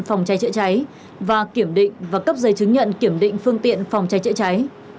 phòng cháy chữa cháy và kiểm định và cấp giấy chứng nhận kiểm định phương tiện phòng cháy chữa cháy